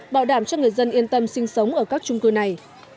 bảo đảm cho người dân yên tâm sinh sống ở các trung cư này